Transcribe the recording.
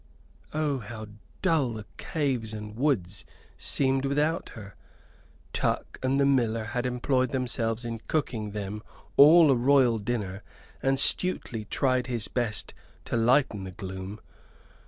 Oh, how dull the caves and the woods seemed without her! Tuck and the miller had employed themselves in cooking them all a royal dinner; and Stuteley tried his best to lighten the gloom.